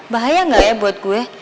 bahaya nggak ya buat gue